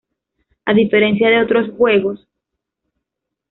A diferencia de otros juegos.